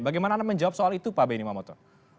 bagaimana anda menjawab soal itu pak benny mamoto